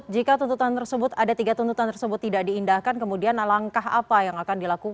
jika tuntutan tersebut ada tiga tuntutan tersebut tidak diindahkan kemudian alangkah apa yang akan dilakukan